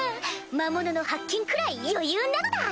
魔物の発見くらい余裕なのだ！